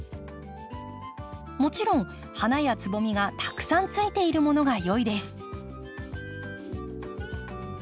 もちろん花やつぼみがたくさんついているものがよいです。